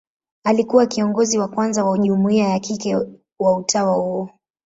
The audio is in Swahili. Alikuwa kiongozi wa kwanza wa jumuia ya kike wa utawa huo.